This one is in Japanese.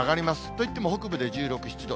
といっても北部で１６、７度。